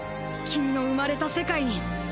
君の生まれた世界に。